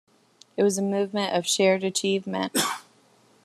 It was a moment of shared achievement.